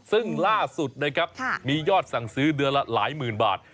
ซึ่งล่าสุดนะครับมียอดสั่งซื้อเดือนละหลายหมื่นบาท